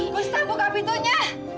gustaf buka pintunya